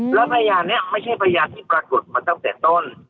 แล้วพยานนี้ไม่ใช่พยานที่ปรากฏมาตั้งแต่ต้น